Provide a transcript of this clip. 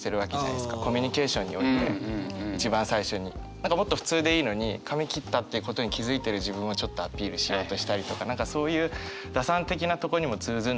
何かもっと普通でいいのに髪切ったってことに気付いてる自分をちょっとアピールしようとしたりとか何かそういう打算的なとこにも通ずるのかなと思って。